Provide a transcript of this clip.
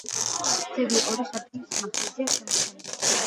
ძეგლი ორი სართულის სიმაღლეზეა შემორჩენილი.